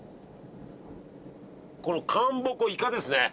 このかんぼこいかですね。